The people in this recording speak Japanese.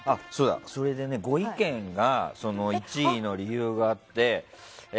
それで、ご意見で１位の理由があって。